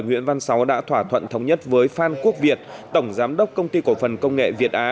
nguyễn văn sáu đã thỏa thuận thống nhất với phan quốc việt tổng giám đốc công ty cổ phần công nghệ việt á